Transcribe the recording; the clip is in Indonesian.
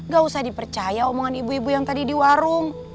gak usah dipercaya omongan ibu ibu yang tadi di warung